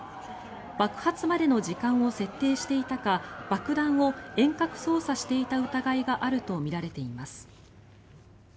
爆発までの時間を設定していたか爆弾を遠隔操作していた疑いがあるとみられています。